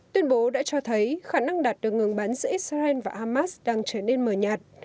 tuyên bố đã cho thấy khả năng đạt được ngừng bắn giữa israel và hamas đang trở nên mờ nhạt